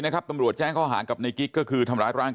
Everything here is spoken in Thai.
นะครับตำรวจจ้เข้าหากับในกิ๊กก็คือทำลายร่าง